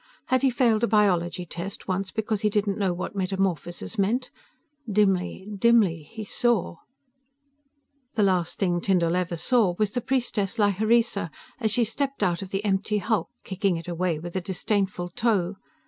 Had he failed a biology test once because he didn't know what metamorphosis meant ... dimly ... dimly ... he saw ... The last thing Tyndall ever saw was the Priestess Lhyreesa as she stepped out of the empty hulk, kicking it away with a disdainful toe.